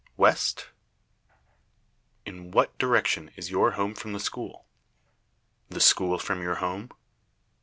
West? In what direction is your home from the school? The school from your home?